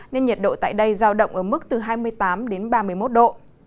nên nhiệt độ tại đây giao động ở mức hai mươi tám ba mươi một độ